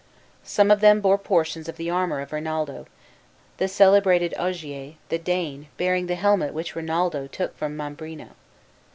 Some of them bore portions of the armor of Rinaldo, the celebrated Ogier, the Dane, bearing the helmet which Rinaldo took from Mambrino.